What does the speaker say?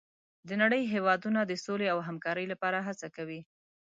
د نړۍ هېوادونه د سولې او همکارۍ لپاره هڅه کوي.